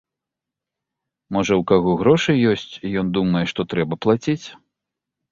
Можа, у каго грошы ёсць, і ён думае, што трэба плаціць.